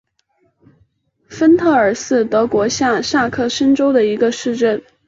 芬特尔是德国下萨克森州的一个市镇。